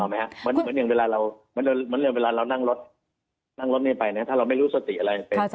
เหมือนอย่างเวลาเรานั่งรถนี่ไปถ้าเราไม่รู้สติอะไร